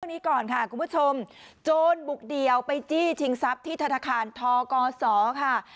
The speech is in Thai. นี้ก่อนค่ะคุณผู้ชมโจรบุกเดี่ยวไปจี้ชิงทรัพย์ที่ธนาคารทกศค่ะ